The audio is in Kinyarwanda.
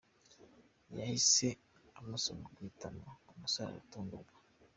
Yahise amusoma ku itama umusore aratungurwa.